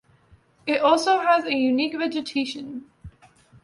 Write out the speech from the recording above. It also has a unique vegetation.